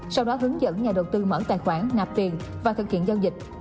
sau đó hướng dẫn nhà đầu tư mở tài khoản nạp tiền và thực hiện giao dịch